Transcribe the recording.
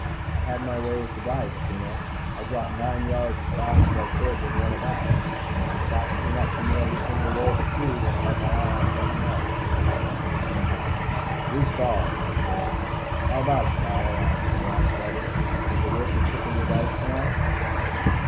"I had my way with the dice, Peno. I dropped nine yards as fast as I could, then won it back. The spots came up for me every single roll but two, when I had my eye on something else." He snickered. "We saw her," he said. "How about it, Fowler?" I asked my Lodge Brother. "Was a worker tipping the dice tonight?"